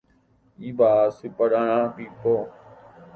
imba'asypararãpiko